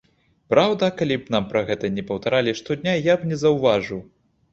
Праўда, калі б нам пра гэта не паўтаралі штодня, я б не заўважыў.